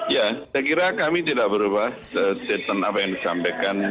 ya saya kira kami tidak berubah statement apa yang disampaikan